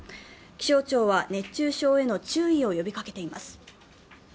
気象庁は熱中症への注意を呼びかけています。